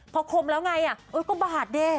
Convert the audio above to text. พอคมแล้วไงโอ๊ยก็บาทเนี่ย